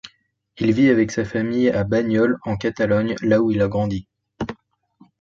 Il vit avec sa famille à Banyoles en Catalogne, là où il a grandi.